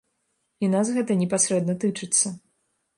І нас гэта непасрэдна тычыцца.